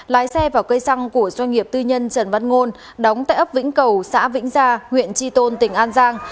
lái xe vào cây xăng của doanh nghiệp tư nhân trần văn ngôn đóng tại ấp vĩnh cầu xã vĩnh gia huyện tri tôn tỉnh an giang